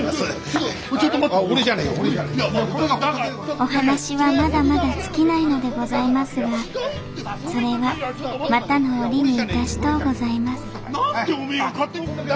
お話はまだまだ尽きないのでございますがそれはまたの折に致しとうございます